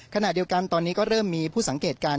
ขณะเดียวกันตอนนี้ก็เริ่มมีผู้สังเกตการณ